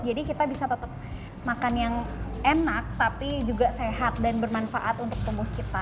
jadi kita bisa tetap makan yang enak tapi juga sehat dan bermanfaat untuk tumbuh kita